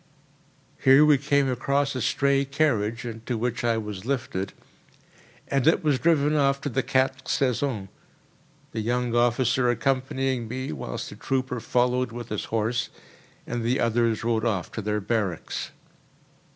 Here we came across a stray carriage, into which I was lifted, and it was driven off to the Quatre Saisons—the young officer accompanying me, whilst a trooper followed with his horse, and the others rode off to their barracks.